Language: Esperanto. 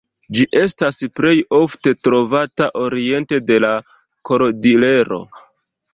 Ĝi estas plej ofte trovata oriente de la Kordilero.